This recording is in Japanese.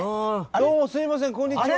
どうもすいませんこんにちは。